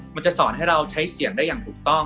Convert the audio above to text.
มันจะสอนให้เราใช้เสียงได้อย่างถูกต้อง